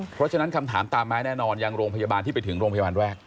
เพราะฉะนั้นคำถามตามมาแน่นอนยังโรงพยาบาลที่ไปถึงโรงพยาบาลแรก